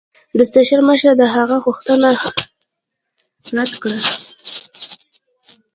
د سټېشن مشر د هغه غوښتنه رد کړه.